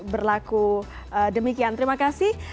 berlaku demikian terima kasih